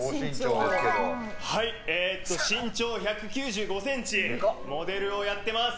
身長１９５ｃｍモデルをやってます！